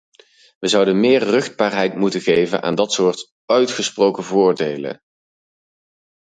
We zouden meer ruchtbaarheid moeten geven aan dat soort uitgesproken voordelen.